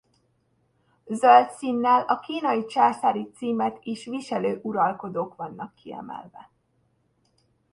Zöld színnel a kínai császári címet is viselő uralkodók vannak kiemelve.